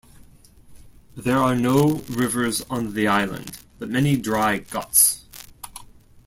There are no rivers on the island, but many dry guts.